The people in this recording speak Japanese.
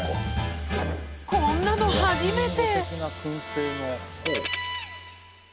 こんなの初めて！